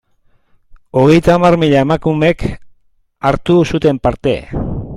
Hogeita hamar mila emakumek hartu zuten parte.